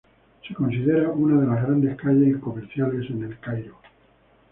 Se considera una de las grandes calles comerciales en El Cairo.